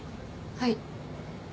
はい。